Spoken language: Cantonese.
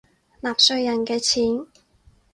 納稅人嘅錢